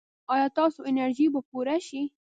ایا ستاسو انرژي به پوره شي؟